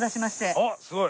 あっすごい！